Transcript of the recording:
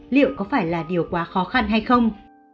liệu có phải là điều quá khó khăn hay không